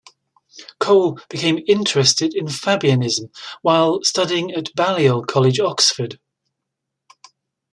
Cole became interested in Fabianism while studying at Balliol College, Oxford.